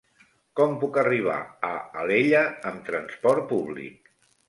Com puc arribar a Alella amb trasport públic?